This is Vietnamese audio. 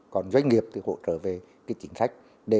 còn doanh nghiệp thì hỗ trợ về chính sách